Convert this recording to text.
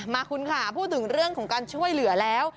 มาคุณค่ะพูดถึงเรื่องของการช่วยเหลือแล้ว